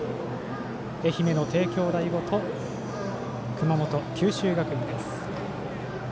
愛媛の帝京第五と熊本、九州学院です。